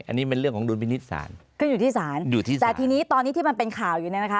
อันนี้เป็นเรื่องของดุลพินิษฐ์ศาลก็อยู่ที่ศาลอยู่ที่ศาลแต่ทีนี้ตอนนี้ที่มันเป็นข่าวอยู่เนี่ยนะคะ